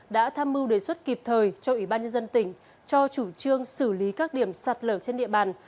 đã tham mưu đề xuất kịp thời cho ủy ban nhân dân tỉnh cho chủ trương xử lý các điểm sạt lở trên địa bàn